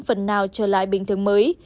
phần nào trở lại bình thường mới